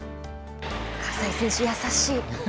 葛西選手、優しい。